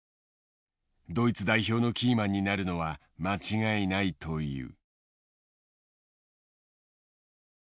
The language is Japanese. ドイツ代表のキーマンになるのは間違いないという。